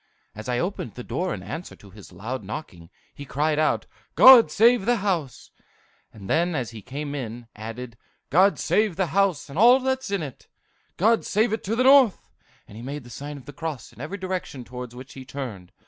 As I opened the door in answer to his loud knocking, he cried out, 'God save the house!' then, as he came in, added, 'God save the house, and all that's in it! God save it to the north!' and he made the sign of the cross in every direction towards which he turned.